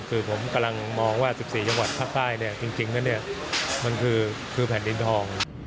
คือผมกำลังมองว่า๑๔จังหวัดภาคใต้จริงแล้วเนี่ยมันคือแผ่นดินทอง